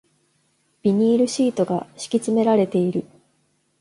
ビニールシートが敷き詰められている